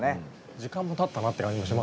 時間もたったなって感じもしますね。